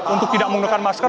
untuk tidak menggunakan masker